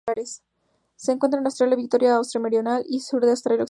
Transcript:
Se encuentra en Australia: Victoria, Australia Meridional y sur de Australia Occidental.